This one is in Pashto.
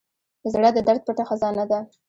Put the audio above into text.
زړه د درد پټه خزانه ده.